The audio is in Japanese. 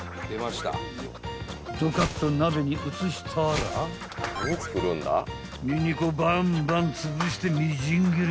［ドカッと鍋に移したらニンニクをバンバンつぶしてみじん切りに］